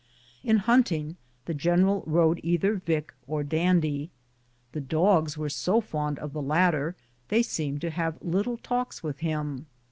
In hunting, the general rode either Yic or Dandy. The dogs were so fond of the latter, they seemed to have little talks with him.